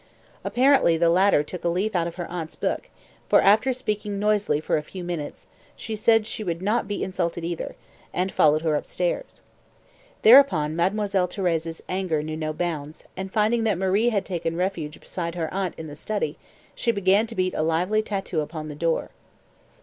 Apparently the latter took a leaf out of her aunt's book, for after speaking noisily for a few minutes, she said she would not be insulted either, and followed her upstairs. Thereupon Mademoiselle Thérèse's anger knew no bounds, and finding that Marie had taken refuge beside her aunt in the study, she began to beat a lively tattoo upon the door.